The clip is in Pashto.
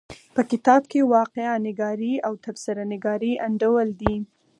په کتاب کې واقعه نګاري او تبصره نګاري انډول دي.